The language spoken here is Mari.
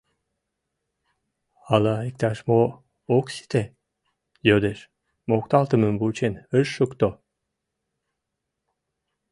Ала иктаж-мо ок сите? — йодеш, мокталтымым вучен ыш шукто.